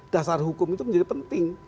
dasar hukum itu menjadi penting